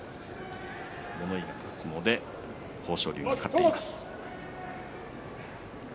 物言いがつく相撲でしたが豊昇龍が勝っています。